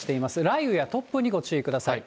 雷雨や、突風にご注意ください。